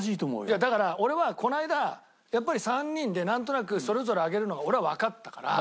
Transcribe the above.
いやだから俺はこの間やっぱり３人でなんとなくそれぞれ上げるのが俺はわかったから。